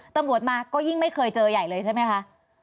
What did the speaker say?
ตำรวจมาก็ยิ่งไม่เคยเจอใหญ่เลยใช่ไหมคะ